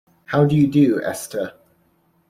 How do you do, Esther?